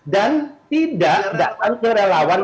dan tidak datang kerelawan